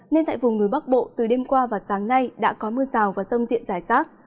nên tại vùng núi bắc bộ từ đêm qua và sáng nay đã có mưa rào và rông diện rải rác